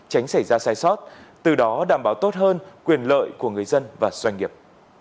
tránh xảy ra sai sót từ đó đảm bảo tốt hơn quyền lợi của người dân và doanh nghiệp